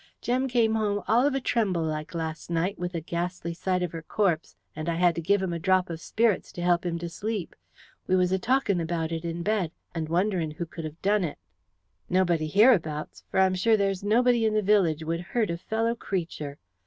Jem came home all of a tremble like last night with the ghastly sight of her corpse and I had to give him a drop of spirits to help him to sleep. We was a talkin' about it in bed, and wond'ring who could 'ave done it. Nobody hereabouts, for I'm sure there's nobody in the village would hurt a fellow creature.